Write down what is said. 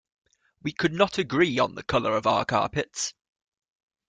We could not agree on the colour of our carpets.